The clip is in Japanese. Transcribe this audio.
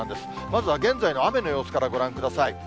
まずは現在の雨の様子からご覧ください。